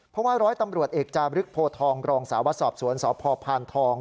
เพราะว่าร้อยตำรวจเอกจาบรึกโพทองรองสาววัดสอบสวนสพพานทอง